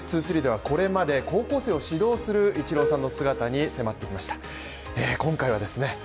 「ＮＥＷＳ２３」ではこれまで高校生を指導するイチローさんの姿に迫ってきました今回はですね